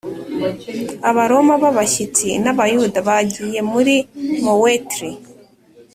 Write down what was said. Abaroma b abashyitsi n Abayuda bagiye muri moetri